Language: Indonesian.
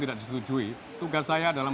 tidak disetujui tugas saya dalam